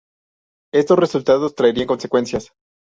Estos resultados traerían consecuencias.